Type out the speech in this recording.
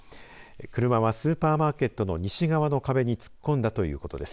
車はスーパーマーケットの西側の壁に突っ込んだということです。